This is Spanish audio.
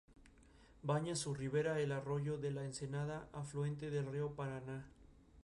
Baña su ribera el arroyo de la Ensenada, afluente del río Paraná.